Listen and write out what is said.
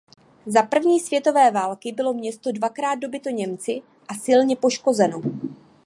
Za první světové války bylo město dvakrát dobyto Němci a silně poškozeno.